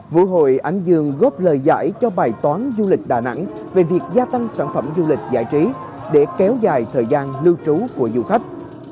vui hội ánh dương góp lời giải cho bài toán du lịch đà nẵng về việc gia tăng sản phẩm du lịch giải trí để kéo dài thời gian lưu trú của du khách